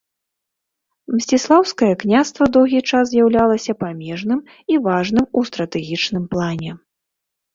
Мсціслаўскае княства доўгі час з'яўляўся памежным і важным у стратэгічным плане.